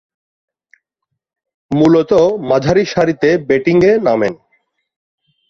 মূলতঃ মাঝারিসারিতে ব্যাটিংয়ে নামেন।